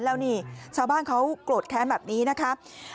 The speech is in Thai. แล้วนี่ชาวบ้านเขาโกรธแค้นแบบนี้นะครับ